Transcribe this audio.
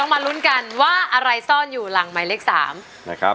ต้องมารุ้นกันว่าอะไรซ่อนอยู่หลังไม้เลข๓